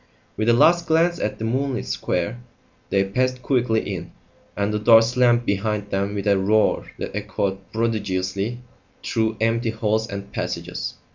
With a last glance at the moonlit square, they passed quickly in, and the door slammed behind them with a roar that echoed prodigiously through empty halls and passages.